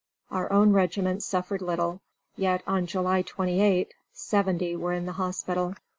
Our own regiment suffered little, yet on July 28 seventy were in the hospital.